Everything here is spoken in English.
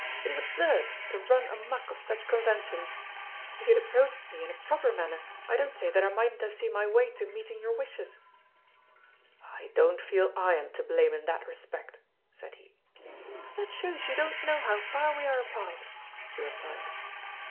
It is absurd to run amuck of such conventions. If you had approached me in a proper manner, I don't say that I mightn't have seen my way to meeting your wishes." "I don't feel I am to blame in that respect," said he. "That shows you don't know how far we are apart," she replied.